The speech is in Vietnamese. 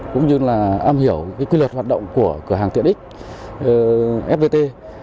cũng như là am hiểu quy luật hoạt động của cửa hàng tiện x fpt